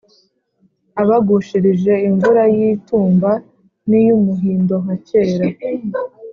abagushirije imvura y’itumba n’iy’umuhindo nka kera.